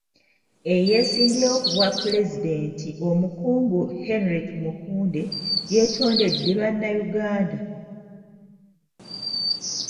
Eyeesimbyewo ku bwapulezidenti, omukungu Henry Tumukunde, yeetondedde Bannayuganda.